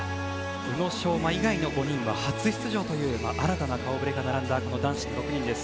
宇野昌磨以外の５人は初出場という新たな顔ぶれが並んだ男子６人です。